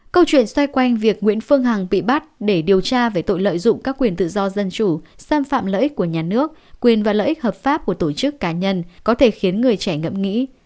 câu chuyện xoay quanh việc nguyễn phương hằng bị bắt để điều tra về tội lợi dụng các quyền tự do dân chủ xâm phạm lợi ích của nhà nước quyền và lợi ích hợp pháp của tổ chức cá nhân có thể khiến người trẻ ngậm nghĩ